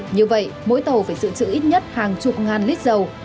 như vậy mỗi tàu phải dự trữ ít nhất hàng chục ngàn lít dầu